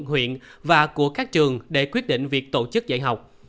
huyện và của các trường để quyết định việc tổ chức dạy học